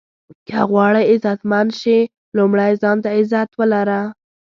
که غواړئ عزتمند شې لومړی ځان ته عزت ولره.